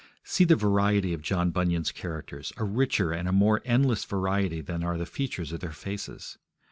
See the variety of John Bunyan's characters, a richer and a more endless variety than are the features of their faces.